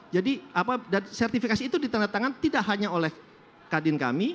jadi apa dan sertifikasi itu ditandatangan tidak hanya oleh kadin kami